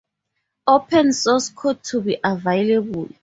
Open source code to be available.